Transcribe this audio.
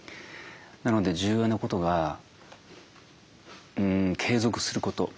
なので重要なことが継続すること。